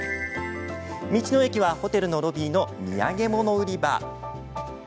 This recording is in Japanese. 道の駅はホテルのロビーの土産物売り場。